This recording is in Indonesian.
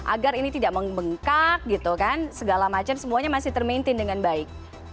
agar ini tidak membengkak gitu kan segala macam semuanya masih termaintain dengan baik